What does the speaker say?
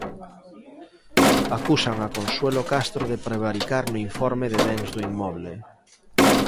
Acusan a Consuelo Castro de prevaricar no informe de bens do inmoble.